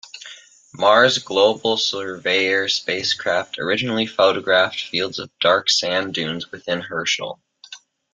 Mars Global Surveyor spacecraft originally photographed fields of dark sand dunes within Herschel.